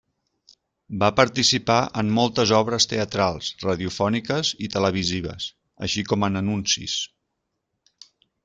Va participar en moltes obres teatrals, radiofòniques i televisives, així com en anuncis.